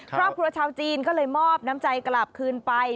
ครอบครัวชาวจีนก็เลยมอบน้ำใจกลับคืนไป